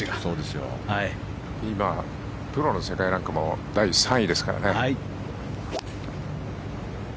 プロの世界ランクも第３位ですからね。